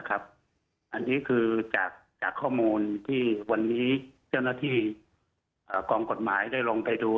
อันนี้คือจากข้อมูลที่วันนี้เจ้าหน้าที่กองกฎหมายได้ลงไปดู